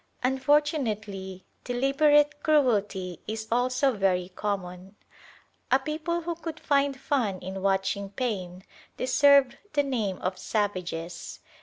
Unfortunately deliberate cruelty is also very common. A people who could find fun in watching pain deserve the name of savages.